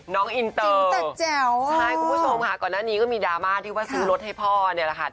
น้องอินเตอร์กินแต่แจ๋วใช่คุณผู้ชมค่ะก่อนหน้านี้ก็มีดราม่าที่ว่าซื้อรถให้พ่อเนี่ยแหละค่ะ